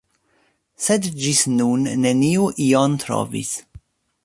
Sed ĝis nun neniu ion trovis.